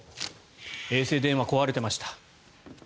衛星電話が壊れていました。